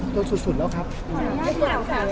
จนสุดสุดแล้วครับขออนุญาตทีหลังค่ะ